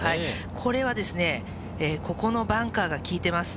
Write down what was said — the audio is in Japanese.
これはここのバンカーが効いてます。